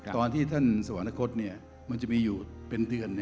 ตอนที่ท่านสวรรคตมันจะมีอยู่เป็นเดือน